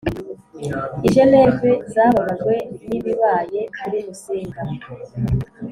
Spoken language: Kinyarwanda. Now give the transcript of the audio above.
i Geneve zababajwe n ibibaye kuri Musinga